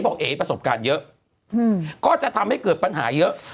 เอ๋ประสบการณ์เยอะก็จะทำให้เกิดปัญหาเยอะ